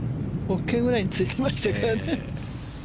ＯＫぐらいについてましたからね。